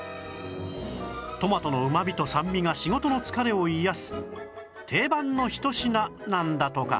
トマトのうまみと酸味が仕事の疲れを癒やす定番のひと品なんだとか